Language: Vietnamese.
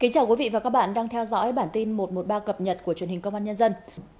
chào mừng quý vị đến với bản tin một trăm một mươi ba cập nhật của truyền hình công an nhân dân